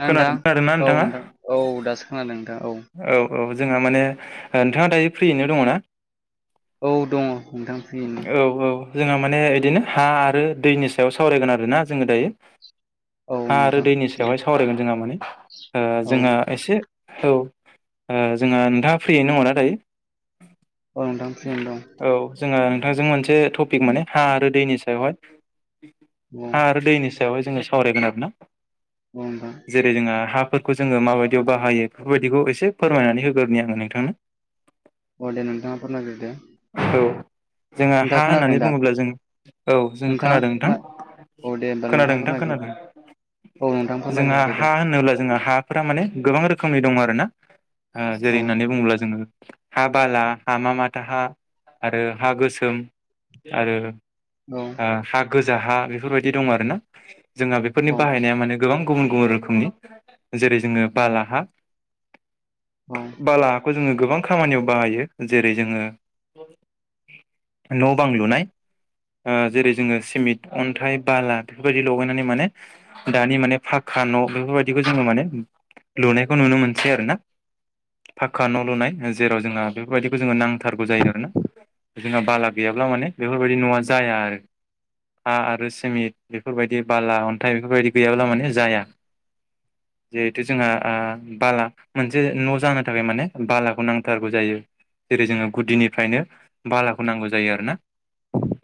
[unintelligible] नोंथां खोनादों खोनादोंना औ नोंथाङा नोंथां औ दासो खोनादों नोंथां औ औ-औ जोंहा माने नोंथाङा दायो फ्रियैनो दङना औ दङ नोंथां फ्रियैनो औ औ जोंहा माने इदिनो हा आरो दैनि सायाव सावरायगोन आरोना जोङो दायो औ हा आरो नोंथां दैनि दे सायावहाय सावरायगोन जोंहा माने औ जोंहा एसे औ जोंहा नोंथाङा फ्रियैनो दङना दायो औ नोंथां फ्रियैनो दं औ जोंहा नोंथांजों मोनसे टपिक माने हा आरो दैनि सायावहाय औ हा आरो दैनि सायावहाय जोङो सावरायगोन आरोना नंगौ नोंथां जेरै जोंहा हाफोरखौ जोङो माबायदियाव बाहायो बेफोरबायदिखौ एसे फोरमायनानै होग्रोनि आङो नोंथांनो औ दे नोंथाङा फोरमायग्रोदो औ जोङो हा नोंथाङा खोनादों होननानै दा बुङोब्ला जों औ जों नोंथाङा खोनादों नोंथां खोना औ दे होमबा नोंथाङा खोनादों नोंथां फोरमायग्रोदो औ नोंथां खोनादों जोंहा फोरमायग्रोदो दे हा होनोब्ला जोंहा हा फोरा माने गोबां रोखोमनि दङ आरोना औ जेरै होननानै बुङोब्ला जोङो हा बाला हामा माथा हा आरो हा गोसोम आरो औ हा गोजा हा बेफोरबायदि दं आरोना जोंहा बेफोरनि औ बाहायनाया माने गोबां गुबुन गुबुन रोखोमनि जेरै जोंङो बाला हा औ बाला हाखौ जोंङो गोबां खामानियाव बाहायो जेरै जोंङो न' बां लुनाय जेरै जोंङो सिमिन्ट अन्थाइ बाला बेफोरबायदि लगायनानै माने दानि माने फाकखा न' बेफोरबायदिखौ जोंङो माने लुनायखौ नुनो मोनसै आरोना फाकखा न' लुनाय जेराव जोंहा बेफोरबायदिखौ जोंङो नांथारगौ जायो आरोना जोंना बाला गैयाब्ला माने बेफोरबायदि न'आ जाया आरो हा आरो सिमिट बेफोरबायदि बाला अन्थाइ बेफोरबायदि गैयाब्ला माने जाया जिहेथु जोंहा आ बाला मोनसे न' जानो थाखाय माने बालाखौ नांथारगौ जायो जेरै जोंङो गुदिनिफ्रायनो बालाखौ नांगौ जायो आरोना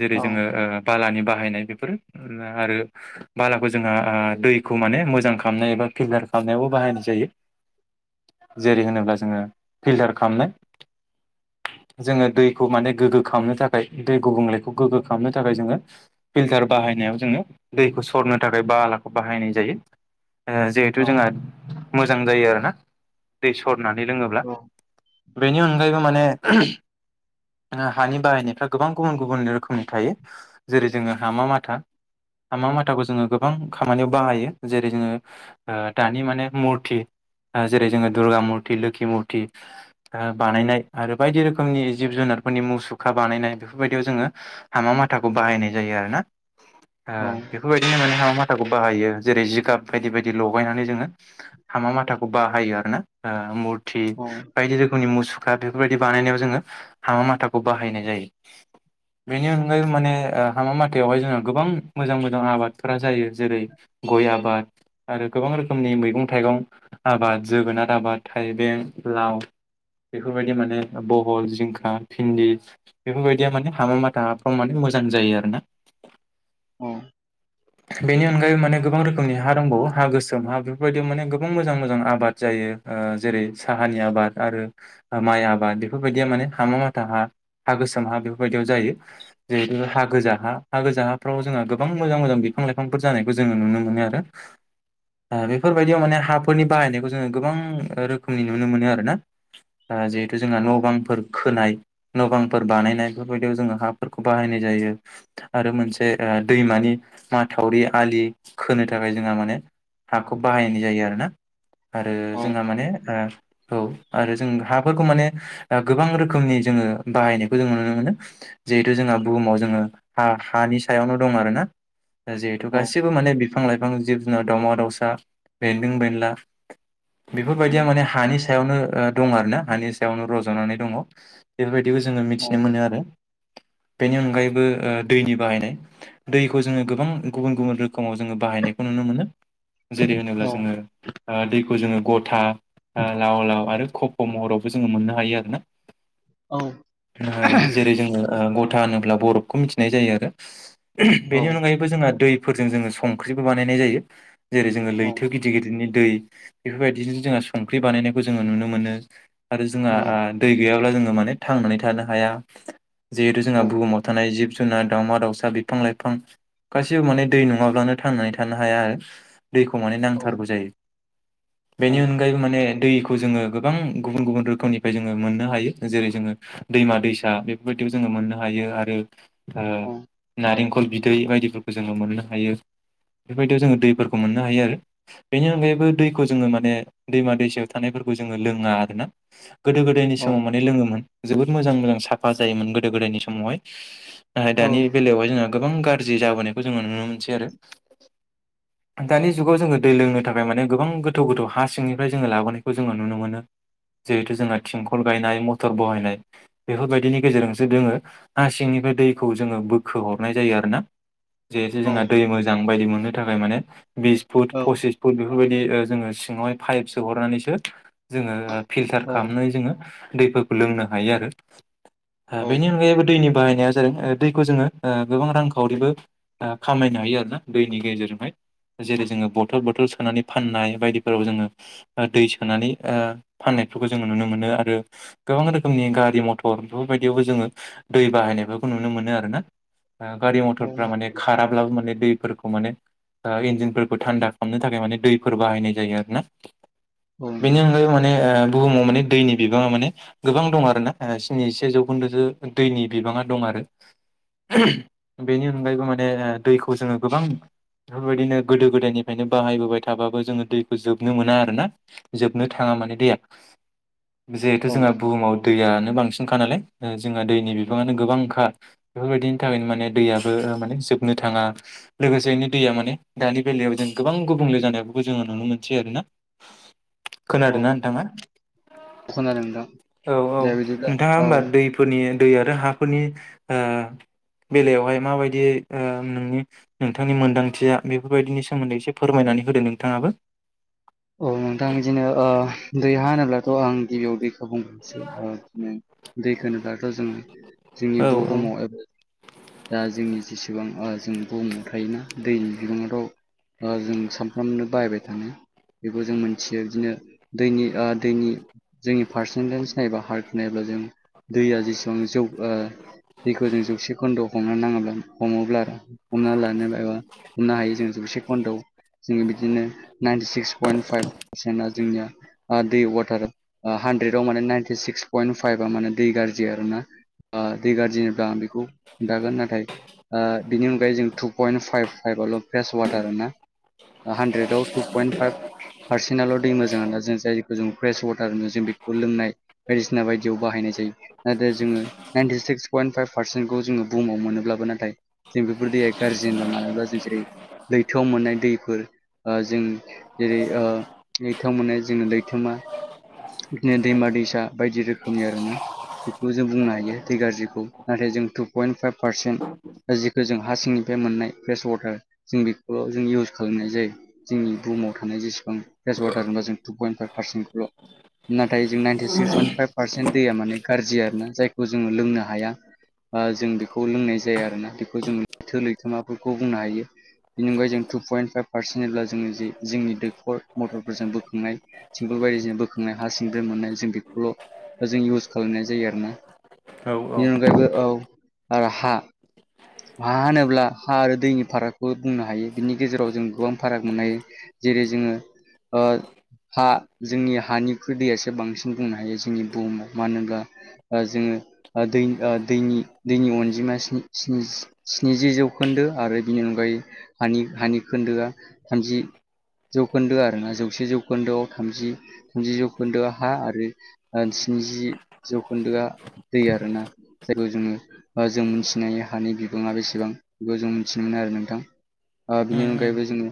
जेरै औ जोंङो ओ बालानि बाहायनाय बेफोर आरो बालाखौ जोंहा दैखौ माने मोजां खालामनाय एबा फिल्टार खालामनायावबो बाहायनाय जायो। जेरै होनोब्ला जोंङो फिल्टार खालामनाय जोंङो दै खौ माने गोग्गो खालामनो थाखाय दै गुबुंलेखौ गोग्गो खालामनो थाखाय जोंङो फिल्टार बाहायनायाव जोंङो दैखौ सरनो थाखाय बालाखौ बाहायनाय जायो। जिहेथु औ जोंहा मोजां जायो आरोना दै सरनानै लोंङोब्ला औ बेनि अनगायैबो माने हानि बाहायनायफ्रा गोबां गुबुन गुबुन रोखोमनि थायो जेरै जोंङो हामा माथा हामा माथाखौ जोंङो गोबां खामानियाव बाहायो जेरै जोंङो दानि माने मुरथि जेरै जोंङो दुर्गा मुरथि लोखि मुरथि बानायनाय आरो बायदि रोखोमनि जिब जुनारफोरनि मुसुखा बानायनाय बेफोरबायदियाव जोंङो हामा माथाखौ बाहायनाय जायो आरोना औ बेफोरबायदिनो माने हामा माथाखौ बाहायो जेरै जिगाब बायदि बायदि लगायनानै जोंङो हामा माथाखौ बाहायो आरोना आ मुरथि औ बायदि रोखोमनि मुसुखा बेफोरबायदि बानायनायाव जोंङो हामा माथाखौ बाहायनाय जायो। [inaudible] बेनि अनगायै माने हामा मथायावहाय जोंहा गोबां मोजां मोजां आबादफोरा जायो जेरै - गय आबाद आरो गोबां रोखोमनि मैगं थाइगं आबाद जोगोनार आबाद थाइबें लाव बेफोर बायदि माने बहल जिंखा भिन्दि बेफोरबायदिया माने हाबा माथाफ्राव माने मोजां जायो आरो ना अ बेनि अनगायै माने गोबां रोखोमनि हा दंबावो गोसोम हा बेफोर बायदियाव माने गोबां मोजां मोजां आबाद जायो। जेरै साहानि आबाद आरो माइ आबाद बेफोरबायदिया माने हामा माथा हा हा गोसोम हा बेफोरबायदियाव जायो। जिहेथु हा गोज हा हा गोजा हाफ्राव जोंहा गोबां मोजां मोजां बिफां लाइफांफोर जानायखौ जोंङो नुनो मोनो आरो [inaudible] बेफोरबायदियाव माने हाफ फोरनि बाहायनायखौ जोंङो गोबां रोखोमनि नुनो मोनो आरोना जिहेथु जोंहा औ न' बांफोर खोनाय न' बांफोर बानायनाय बेफोरबायदियाव जोंङो हाफोरखौ बाहायनाय जायो। आरो मोनसे दैमानि माथावरि आलि खोनो थाखाय जोंहा माने हाखौ बाहायनाय जायो आरो ना आरो औ जोंहा माने औ आरो जों हाफोरखौ माने गोबां रोखोमनि जोंङो बाहायनायखौ जोंङो नुनो मोनो जिहेथु जोंहा बुहुमाव जोंङो ह हानि सायावनो दं आरोना दा जिहेथु गासिबो माने बिफां-लाइफां, जिब-जुनार, दावमा-दावउसा, बेन्दों-बेनला बेफोर बायदिया माने हानि सायावनो ओ दं आरो ना हानि सायावनो रज'नानै दङ'। बेफोर बायदिखौ जोङो मिथिनो मोनो आरो बेनि अनगायैबो ओ दैनि बाहायनाय। दैखौ जोङो गोबां गुबुन गुबुन रोखोमाव जोङो बाहायनायखौ नुनो मोनो। जेरै होनोब्ला औ जोङो ओ दैखौ जोङो गथा ओ लाव लाव आरो खफ' महरावबो जोङो मोननो हायो आरोना। औ ओ जेरै जोङो ओ गथा होनोब्ला बरफखौ मिथिनाय जायो आरो। [inaudible] बेनि अनगायैबो जोंहा दैफोरजों जोङो संख्रिबो बानायनाय जायो जेरै जोङो लैथो गिदिर गिदिर गिदिरनि दै बेफोर बायदिजों जोंहा संख्रि बानायनायखौ जोङो नुनो मोनो आरो जोंहा ओ दै गैयाब्ला जोङो माने थांनानै थानो हाया जिहेथु जोंहा बुहुमाव थानाय जिब-जुनार, दावउमा-दाउसा, बिफां-लाइफां गासिबो माने दै नङाब्लानो थांनानै थानो हाया आरो। दैखौ मान नांथारगौ जायो। बेनि अनगायैबो माने दैखौ जोङो गोबां गुबुन गुबुन रोखोमनिफ्राय जों जोङो मोननो हायो जेरै जोङो दैमा दैसा बेफोर बायदियाव जोङो मोननो हायो आरो ओ नारेंखल बिदै बायदिफोरखौ जोङो मोननो हायो। बेफोर बायदियाव जोङो दैफोरखौ मोननो हायो आरो। बेनि अनगायैबो दैखौ जोङो माने दैमा दैसायाव थानायफोरखौ जोङो लोङा आरोना। गोदो गोदायनि समाव माने लोङोमोन जोबोद मोजां मोजां साफा जायोमोन गोदो गोदायनि समावहाय ओ औ औ दानि बेलायावहाय जोंहा गोबां गाज्रि जाबोनायखौ जोङो नुनो मोनसै आरो। [inaudible] दानि जुगाव जोङो दै लोंनो थाखाय माने गोबां गोथौ गोथौ हा सिंनिफ्राय जोङो लाबोनायखौ जोङो नुनो मोनो। जिहेथु जोंना थिंखल गायनाय मथर बहायनाय बेफोर बायदिनि गेजेरजोंसो जोङो हा सिंनिफ्राय दैखौ जोङो बोखो हरनाय जायो आरो ना। जिहेतु औ जोंना दै मोजां बायदि मोननो थाखाय माने बिस फुट औ फसिस बेफोर बायदि ओ जोङो सिङावहाय पाइप सो हरनानैसो जोङो फिल्टार औ खालामनाय जा जोङो दैफोरखौ लोंनो हायो आरो ओ औ बेनि अनगायैबो दैनि बाहायनाया जादों ओ दैखौ जोङो ओ गोबां रांखावरिबो ओ खामायनो हायो आरो ना दैनि गेजेरजोंहाय। जेरै जोङो बथल बथल सोनानै फाननाय बायदिफोराव जोङो ओ दै सोनानै ओ फाननायफोरखौ जोङो नुनो मोनो आरो। गोबां रोखोमनि गारि-मथर बेफोर बायदियावबो जोङो दै बाहायनायफोरखौ नुनो मोनो आरो ना। ओ औ गारि-मथरफ्रा माने खाराब्लाबो माने दैफोरखौ माने ओ इन्जिनफोरखौ थान्दा खालामनो थाखाय माने दैफोर बाहायनाय जायो आरो ना। बेनि नोंथां अनगायै माने ओ बुहुमाव माने दैनि बिबाङा माने गोबां दं आरो ना स्निजिसे जौखोन्दोसो दैनि बिबाङा दं आरो। [inaudible] बेनि अनगायैबो माने दैखौ जोङो गोबां बेफोर बायदिनो गोदो गोदायनिफ्रायनो बाहायबोबाय थाबाबो जोङो दैखौ जोबनो मोना आरो ना। जोबनो थाङा माने दैेया। जिहेथु औ जोंहा बुहुमाव दैयानो बांसिनखा नालाय ओ जोंहा दैनि बिबाङानो गोबांखा। बेफोर बायदिनि थाखायनो माने दैयाबो ओ माने जोबनो थाङा। लोगोसेनो दैया माने दानि बेलायाव जों गोबां गुबुंले जानायबो जोङो नुनो मोनसै आरो ना। [inaudible] खोनादों ना नोंथाङा? खोनादों नोंथां औ औ दे बिदिब्ला नोंथाङा औ होमबा दैफोरनि दै आरो हाफोरनि ओ बेलायावहाय माबायदि ओ नोंनि नोंथांनि मोनदांथिया बेफोर बायदिनि सोमोन्दै एसे फोरमायनानै होदो नोंथाङाबो। औ नोंथां बिदिनो ओ दै हा होनोब्लाथ' आं गिबियाव दैखौ बुंग्रांसै ओ बिदिनो दै होनोब्लाथ' जोङो औ जोंनि बुहुमाव एबा दा जोंनि जेसेबां ओ जों बुहुमाव थायोना दैनि बिबाङाथ' ओ जों सानफ्रामनो बाहायबाय थाङो बेखौ जों मिथियो बिदिनो दैनि आ दैनि जोंनि पारसेन्टेज नायोबा हार्क नायोब्ला जों दैया जेसेबां जौ ओ दैखौ जों जौसे खोन्दोआव हमनो नाङोब्ला हमोब्ला आरो हमना लानो एबा हमनो हायो जों जौसे घन्टायाव जोङो बिदिनो नाइनटि सिक्स पयन्ट फाइभ पारसेन्टआ जोंनिया दै वाटार हानद्रेदाव माने नाइनटि सिक्स पयन्ट फाइभा माने दै गाज्रि आरो ना आ दै गारजि होनोब्ला आं बेखौ खोनथागोन नाथाय ओ बिनि अनगायै जों टु पयन्ट फाइभ फाइभआवल' फ्रेस वाटार आरो ना हानड्रेडाव थु पइन्ट फाइभ फारसेनाल' दै मोजां ना जों जायखौ जों फ्रेस वाटार होनो जों बेखौ लोंनाय बायदिसिना बायदियाव बाहायनाय जायो नाथाय जोङो नाइनटि सिक्स पयन्ट फाइभ पारसेन्टखौ जोङो बुहुमाव मोनोब्लाबो नाथाय जों बेफोरदिाय गाज्रि होनबा मानो होनबा जों जेरै लैथोआव मोननाय दैफोर ओ जों जेरै लैथोयाव मोननाय जोंनो लैथोमा बिदिनो दैमा दैसा बायदि रोखोमनि आरो ना बेखौ जों बुंनो हायो दै गाज्रिखौ नाथाय जों टु पइन्ट फाइभ पारसेन्ट दा जिखौ जों हा सिंनिफ्राय मोननाय फ्रेस वाटार जों बेखौल' जों इउस खालामनाय जायो जोंनि बुहुमाव थानाय जेसेबां फेस वाटार होनबा जों टु पइन्ट फाइभ पार्सेन्टखौल' नाथाय जों ninety six point five percent दैया माने गाज्रि आरो ना जायखौ जोङो लोंनो हाया जों बेखौ लोंनाय जाया आरो ना बेखौ जों लैथो लैथोमाफोरखौ बुंनो हायो बि अनगायै जों टु पइन्ट फाइभ पारसेन्ट एब्ला जोङो जि जोंनि दैखर मटरफोरजों बोखांनाय थिग बायदिजों बोखांनाय हा सिंनिफ्राय मोननाय जों बेखौल' ओ जों इउस खालामनाय जायो आरोना औ औ बेनि अनगायैबो औ आरो हा हा होनोब्ला हा आरो दैनि फारागखौ बुंनो हायो बिनि गेजेराव जों गोबां फाराग मोन हायो जेरै जोङो ओ हा जोंनि हानिखुइ दैयासो बांसिन बुंनो हायो जोंनि बुहुमाव मानो होनोब्ला ओ जोङो दै दैनि दैनि अनजिमानि स्नि स्निजि स्निजि जौखोन्दो आरो बिनि अनगायै हानि हानि खोन्दोआ थामजि जौखोन्दो आरोना जौसे जौखोन्दोआव थामजि थामजि जौखोन्दोआव हा आरो स्निजि जौखोन्दोआ दै आरो ना जायखौ जोङो जों मोनथिनाय हानि बिबाङा बेसेबां बेखौ जों मिथिनो मोनो आरो नोंथां ओ बिनि उम उम अनगायैबो जोङो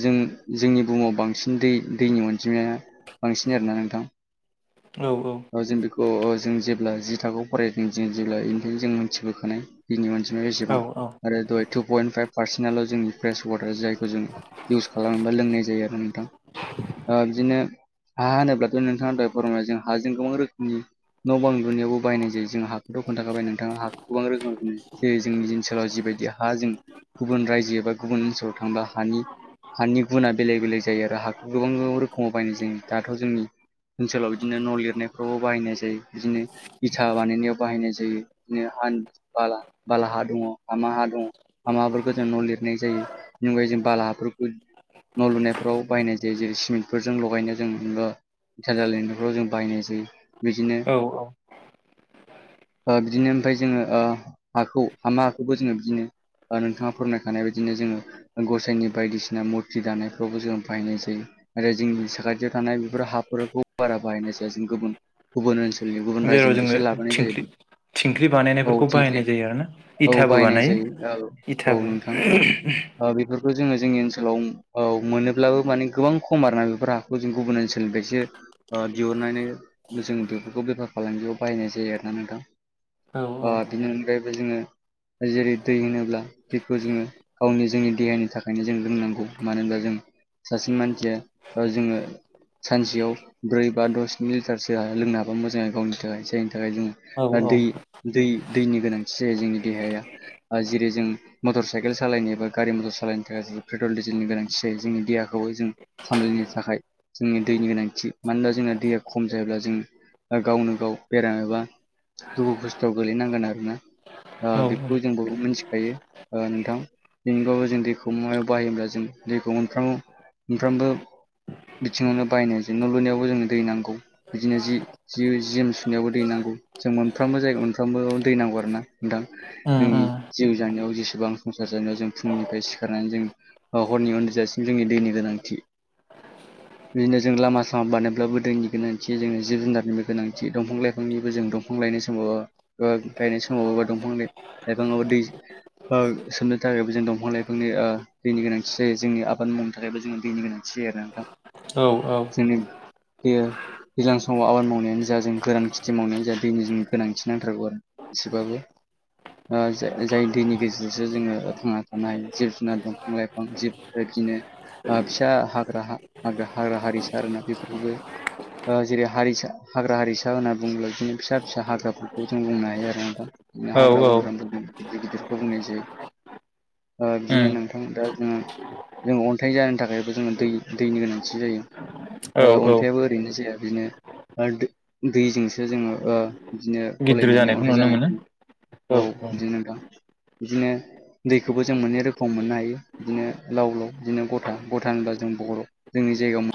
जों जोंनि बुहुमाव बांसिन दै दैनि अनजिमाया बांसिन आरोना नोंथां औ औ औ जों बेखौ जों जेब्ला जि थाखोआव फरायदों जों जेब्ला बेनिफ्राय जों मोनथिबोखानाय दैनि अनजिनाया औ एसेबां औ आरो दाहाय टु पइन्ट फाइभ पारसेन्ट आल' जोंनि फ्रेस वाटार जायखौ जोङो इउस खालामोबा लोंनाय जायो आरो नोंथां बिदिनो हा होनोब्लाथ' नोंथांनि थाखाय फोरमायबाय जों हाजों गोबां रोखोमनि न' बां लुनायावबो बायनाय जायो जों हाखौ खोन्थाखाबाय नोंथाङाखौ गोबां रोखोम जोंनि ओनसोलाव जिबायदि हा जों गुबुन रायजो एबा गुबुन ओनसोलाव थांबा हानि हानि गुना बेलेग बेलेग जायो आरो हाखौ गोबां रोखोमाव बायनाय जायो दाथ' जोंनि ओनसोलाव बिदिनो न' लिरनायफ्रावबो बाहायनाय जायो बिदिनो इटा बानायनायाव बाहायनाय जायो बिदिनो हा बाला बाला हा दङ हामा हा दङ माबाफोरखौ जों न' लिरनाय जायो बेनि अनगायै जों बालाफोरखौ न' लुनायफ्राव बाहायनाय जायो जेरै सिमेन्टफोरजों लगायनो जों मोनबा [unintelligible] न'फ्राव जों बायनाय जायो बिदिनो औ औ बिदिनो ओमफ्राय जोङो हाखौ हामा हाखौबो जोङो बिदिनो नोंथाङा फोरमायखानाय बायदिनो जोङो गसाइनि बायदिसिना मुद जि दानायफ्रावबो जों बाहायनाय जायो आरो जोंनि साखाथियाव थानाय बेफोर हाफोरखौ बारा बाहायनायसै जों गुबुन गुबुन ओनसोलनि गुबुन जेराव रायजोनि जोङो बिसोर लाबोनाय जाय थिंख्लि थिंख्लि बानायनायफोरखौ बाहायनाय जायो आरो ना औ इथाबो बायनाय बानायो जायो औ इथाबो नोंथां बेफोरखौ जोङो जोंनि ओनसोलाव औ मोनोब्लाबो माने गोबां खम आरोना बेफोर हाखौ जों गुबुन ओनसोलनिफ्रायसो बिहरनानै जों बेफोरखौ बेफार फालांगियाव बाहायनाय जायो आरोना नोंथां औ बिनि अनगायैबो जोङो जेरै दै होनोब्ला दैखौ जोङो गावनि जोंनि देहानि थाखायनो जों लोंनांगौ मानो होनबा जों सासे मानसिया जोङो सानसेयाव ब्रै बा दसनि लिटारसो लोंनो हाबा मोजाङै गावनि थाखाय जायनि थाखाय औ जोङो दै दै दैनि गोनांथि जायो जोंनि देहाया जेरै जों मटर साइकेल सालायनो एबा गारि मटर सालायनो थाखाय पेट्रल डिजेल नि गोनांथि जायो जोंनि देहाखौबो जों सामलायनो थाखाय जोंनो दैनि गोनांथि मानो होनबा जोंना दैया खम जायोब्ला जों गावनो गाव बेराम एबा दुखु खस्थ'आव गोलैनांगोन आरोना ओ औ बेखौ जों उम बयबो मिथिखायो नोंथां बेनि अनगायैबो जों दैखौ मायाव बाहायोब्ला जों दैखौ मोनफ्रोम मोनफ्रामबो बिथिङावनो बायनो जों न' लुनायावबो जोंनो दै नांगौ बिदिनो जि जिम सुनायावबो दै नांगौ जों मोनफ्रोमबो जाया मोनफ्रामबो दै नांगौ आरो ना नोंथां जोंनि उम जिउ जानायाव जेसेबां संसार जानायाव जों फुंनिफ्राय सिखारनानै जों हरनि उन्दुजासिम जोंनि दैनि गोनांथि बिदिनो जों लामा सामा बानायोब्लाबो दैनि गोनांथि जोङो जिब जुनारनिबो गोनांथि दंफां लाइफांनिबो जों दं दफां लायनाय समाव बबा गायनाय समावबा दंफां लाइफाङावबो दै सोमनो थाखायबो जों दंफां लाइफांनि ओ दैनि गोनांथि जायो जोंनि आबाद मावनो थाखायबो जोङो दैनि गोनांथि जायो आरो नोंथां औ औ जोंनि [unintelligible] दैज्लां समाव आबाद मावनायानो जा जों गोरान खेथि मावनायानो जा दैनि जों गोनांथि नांथारगौ आरो एसेबाबो जाय दैनि गेजेरावसो जोङो थांना थानाय जिब जुनार दं बिफां लाइफां जिब बे बादिनो फिसा हाग्रा हाग्रा हारिसा आरोना बेफोरखौबो जेरै हारिसा हाग्रा हारिसा होनना बुङोब्ला बिदिनो फिसा फिसा हाग्राफोरखौ जों बुंनो हायो आरो नोंथां हाग्रा औ औ बंग्राफोर गिदिर गिदिरखौ बुंनायसै बिदिनो उम नोंथां दा जोङो जोंङो अन्थाइ जानो थाखायबो जोङो दै दैनि गोनांथि जायो ओ औ औ अन्थायाबो ओरैनो जाया बिदिनो दैजोंसो जोङो बिदिनो गिदिर गलायनानै अन्थाइ नुनो मोनो जानायखौ औ बिदिनो नोंथां बिदिनो दैखौबो जों मोननै रोखोमाव मोननो हायो बिदिनो लाव लाव बिदिनो गथा गथा होनबा जों बर' जोंनि जायगायाव मोन